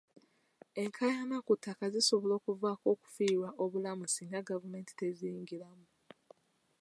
Enkaayana ku ttaka zisobola okuvaamu okufiirwa obulamu singa gavumenti teziyingiramu.